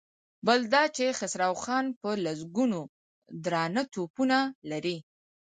بل دا چې خسرو خان په لسګونو درانه توپونه لري.